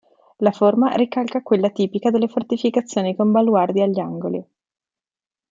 La forma ricalca quella tipica delle fortificazioni con baluardi agli angoli.